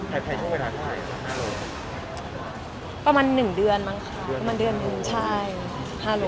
ใครช่วงเวลาถ่ายห้าโลประมาณหนึ่งเดือนมั้งค่ะประมาณเดือนหนึ่งใช่ห้าโล